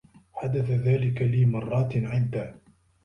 حدث ذلك لي مرّات عدّة.